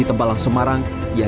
terus main tangan